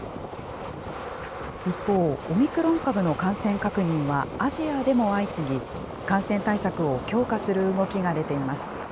一方、オミクロン株の感染確認はアジアでも相次ぎ、感染対策を強化する動きが出ています。